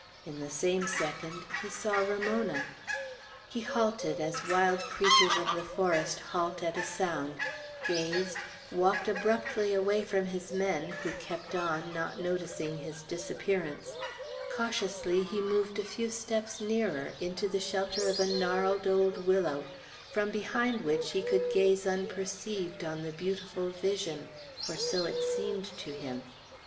In the same second he saw Ramona. He halted, as wild creatures of the forest halt at a sound; gazed; walked abruptly away from his men, who kept on, not noticing his disappearance. Cautiously he moved a few steps nearer, into the shelter of a gnarled old willow, from behind which he could gaze unperceived on the beautiful vision, for so it seemed to him.